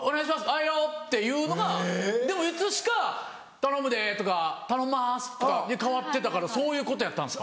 「あいよ」っていうのがでもいつしか「頼むで」とか「頼んます」とかに変わってたからそういうことやったんですか。